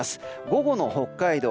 午後の北海道